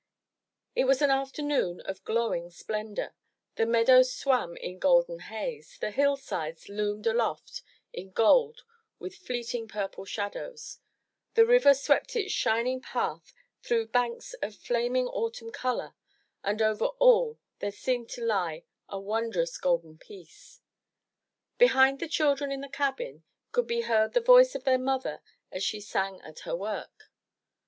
It was an afternoon of glowing splendor; the meadows swam in golden haze, the hillsides loomed aloft in gold with fleeting purple shadows, the river swept its shining path through banks of flaming autumn color, and over all there seemed to lie a won drous golden peace. Behind the children in the cabin, could be heard the voice of their mother as she sang at her work.